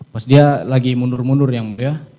pas dia lagi mundur mundur yang mulia